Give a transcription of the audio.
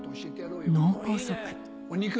脳梗塞。